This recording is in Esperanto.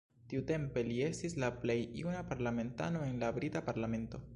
Tiutempe, li estis la plej juna parlamentano en la brita parlamento.